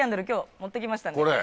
今日持って来ましたんで。